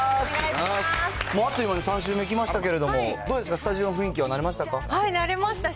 もうあっという間に３週目来ましたけど、どうですか、スタジオの雰囲気は慣れましたか？